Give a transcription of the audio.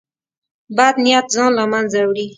بد نیت ځان له منځه وړي.